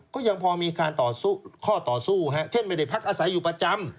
ก็ยังพอมีการต่อข้อต่อสู้เช่นไม่ได้พักอาศัยอยู่ประจำ